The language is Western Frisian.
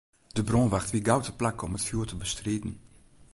De brânwacht wie gau teplak om it fjoer te bestriden.